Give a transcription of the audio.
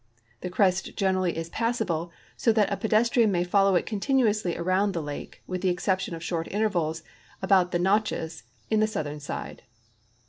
The crest generally is passable, so that a pedestrian may follow it continuousl}' around the lake, with the exception of short intervals about the notches in the southern side.